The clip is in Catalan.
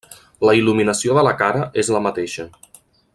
La il·luminació de la cara és la mateixa.